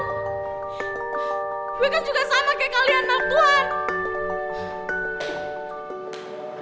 gue kan juga sama kayak kalian maaf tuhan